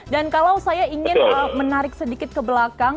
dan kalau saya ingin menarik sedikit ke belakang